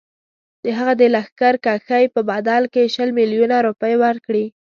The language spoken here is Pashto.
هغه د لښکرکښۍ په بدل کې شل میلیونه روپۍ ورکړي.